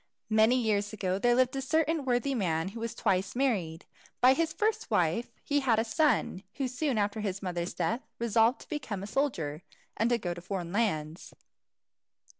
Many years ago, there lived a certain worthy man who was twice married. By his first wife he had a son, who soon after his mother's death resolved to become a soldier, and go to foreign lands.